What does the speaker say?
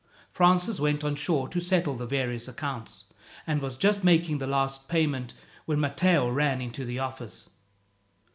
Francis went on shore to settle the various accounts, and was just making the last payment when Matteo ran into the office.